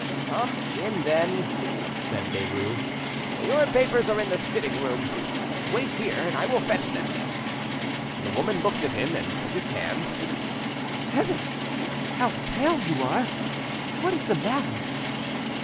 "Come in, then," said Derues; "your papers are in the sitting room. Wait here, and I will fetch them." The woman looked at him and took his hand. "Heavens! how pale you are! What is the matter?"